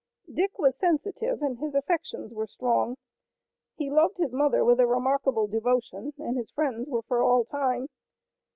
Dick was sensitive and his affections were strong. He loved his mother with a remarkable devotion, and his friends were for all time.